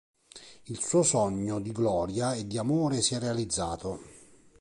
Il suo sogno di gloria e di amore si è realizzato.